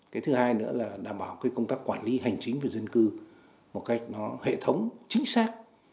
cái thứ hai nữa là đảm bảo công tác quản lý hành chính về dân cư một cách nó hệ thống chính xác